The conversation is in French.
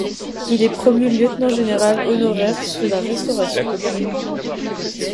Il est promu lieutenant général honoraire sous la Restauration.